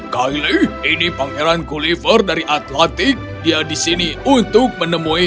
kylie ini pangeran gulliver dari atlantik dia disini untuk menemuimu